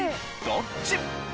どっち？